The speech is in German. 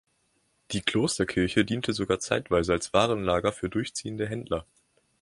Die Klosterkirche diente sogar zeitweise als Warenlager für durchziehende Händler.